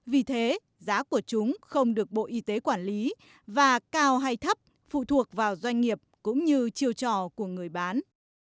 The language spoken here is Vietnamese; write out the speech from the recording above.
vì thế giá của chúng không được bộ y tế quản lý và cao hay thấp phụ thuộc vào doanh nghiệp cũng như chiều trò của người bán